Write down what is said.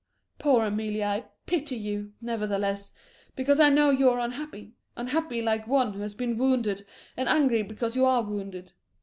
Poor Amelie, I pity you, nevertheless, because I know you are unhappy, unhappy like one who has been wounded, and angry because you are wounded.